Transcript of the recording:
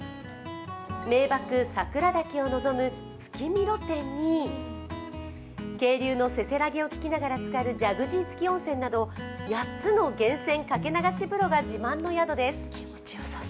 名ばく・桜滝を望む滝見露天に渓流のせせらぎを聞きながらつかるジャグジー付き温泉など、８つの源泉かけ流し風呂が自慢の宿です。